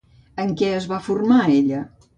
En què es va formar ella?